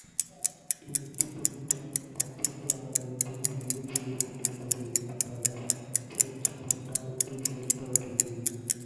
Independent பத்திரிகாலயத்தில் வேலை செய்து கொண்டிருந்தவர்களில் பலர் புரட்சிப் பட்டாளத்தைச் சேர்ந்தவர்கள்.